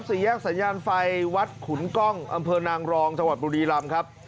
สี่แยกสัญญาณไฟวัดขุนกล้องอำเภอนางรองจังหวัดบุรีรำครับ